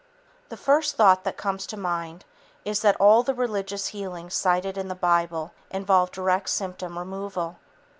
The first thought that comes to mind is that all the religious healings cited in the Bible involve direct symptom removal.